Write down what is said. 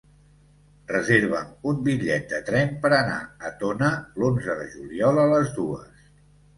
Reserva'm un bitllet de tren per anar a Tona l'onze de juliol a les dues.